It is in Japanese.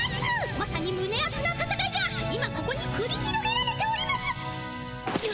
まさにむねあつなたたかいが今ここにくり広げられております！